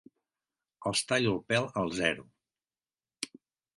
Els tallo el pèl al zero.